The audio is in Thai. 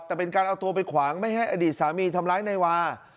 แต่เป็นการเอาตัวไปขวางไม่ให้อดีตสามีทำร้ายนายวา